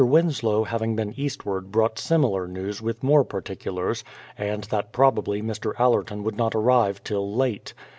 Winslow having been eastward brought similar news with more par ticulars, and that probably Mr. Allerton would not arrive till late.